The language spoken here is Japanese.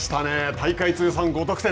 大会通算５得点。